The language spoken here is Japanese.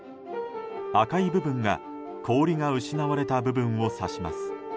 赤い部分が氷が失われた部分を指します。